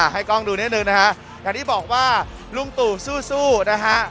ให้กล้องดูนิดนึงนะฮะอย่างที่บอกว่าลุงตู่สู้นะฮะ